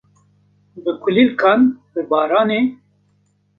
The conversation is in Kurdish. bi kulîlkan, bi baranê.